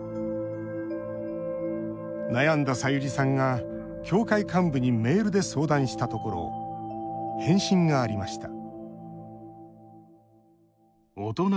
悩んださゆりさんが、教会幹部にメールで相談したところ返信がありました